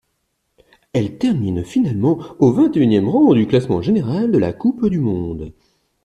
Elle termine finalement au vingt-et-unième rang du classement général de la Coupe du monde.